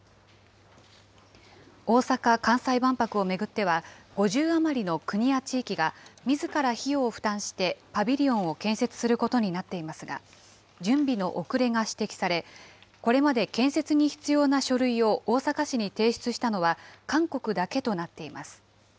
大阪・関西万博を巡っては、５０余りの国や地域がみずから費用を負担して、パビリオンを建設することになっていますが、準備の遅れが指摘され、これまで建設に必要な書類を大阪市に提出したのは韓国だけとなっています。